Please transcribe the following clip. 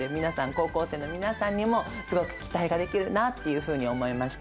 高校生の皆さんにもすごく期待ができるなっていうふうに思いました。